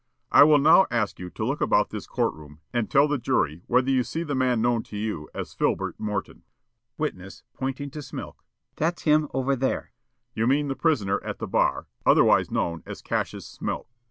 The State: "I will now ask you to look about this court room and tell the jury whether you see the man known to you as Filbert Morton?" Witness, pointing to Smilk: "That's him over there." The State: "You mean the prisoner at the bar, otherwise known as Cassius Smilk?" Witness.